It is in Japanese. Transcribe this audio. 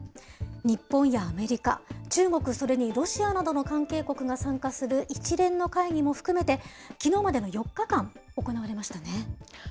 日本やアメリカ、中国、それにロシアなどの関係国が参加する一連の会議も含めて、きのうまでの４日間、行われましたね。